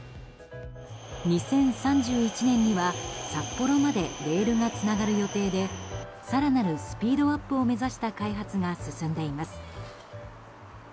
２０３１年には札幌までレールがつながる予定で更なるスピードアップを目指した開発が進んでいます。